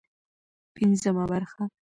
پنځمه برخه